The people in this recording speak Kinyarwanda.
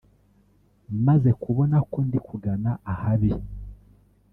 Maze kubona ko ndi kugana ahabi